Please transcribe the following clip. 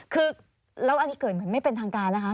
คือแล้วอันนี้เกิดเหมือนไม่เป็นทางการนะคะ